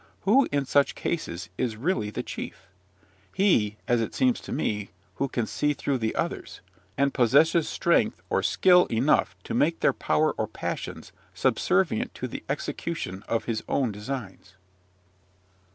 Who, in such cases, is really the chief? He, as it seems to me, who can see through the others, and possesses strength or skill enough to make their power or passions subservient to the execution of his own designs.